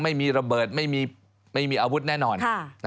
ไม่มีระเบิดไม่มีอาวุธแน่นอน